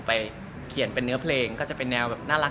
ไปเขียนเป็นเนื้อเพลงก็จะเป็นแนวแบบน่ารัก